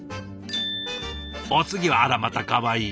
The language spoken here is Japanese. お次はあらまたかわいい。